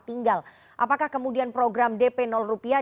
tinggal apakah kemudian program dp rupiah